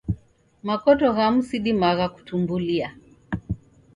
Makoto ghamu sidimagha kutumbulia.